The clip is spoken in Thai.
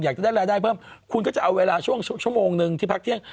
อยากจะได้รายได้เพิ่มคุณก็จะเอาเวลาช่วงชั่วโมงนึงที่พักเที่ยง